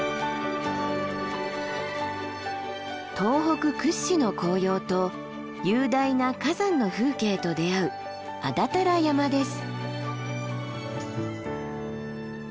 東北屈指の紅葉と雄大な火山の風景と出会う安達太良山です。